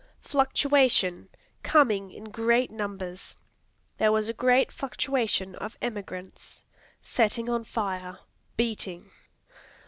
Fluctuation coming in great numbers; "There was a great fluctuation of emigrants." Setting on fire. Beating.